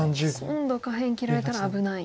今度下辺切られたら危ない。